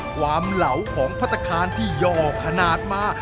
ความเหล่าของพัตรคานที่ยอขนาดมา